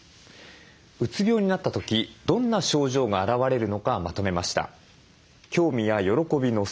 うつ病になった時どんな症状が現れるのかまとめました。